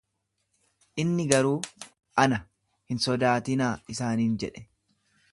Inni garuu, Ana, hin sodaatinaa isaaniin jedhe.